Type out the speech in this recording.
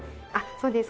そうです。